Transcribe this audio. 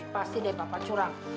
pasti deh bapak curang